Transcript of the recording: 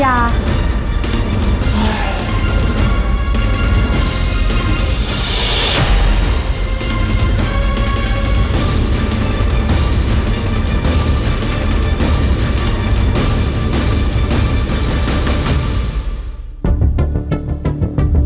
ไม่ต้องกลับมาที่นี่